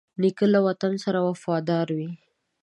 نیکه له وطن سره وفادار وي.